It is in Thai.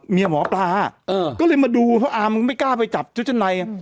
หมอปลาก็เลยมาดูเพราะอามึงไม่กล้าไปจับชุดชั้นใน